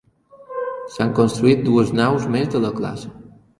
S'han construït dues naus més de la classe.